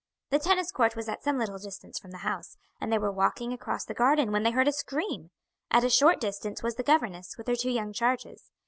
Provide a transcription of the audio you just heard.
The tennis court was at some little distance from the house, and they were walking across the garden when they heard a scream. At a short distance was the governess with her two young charges.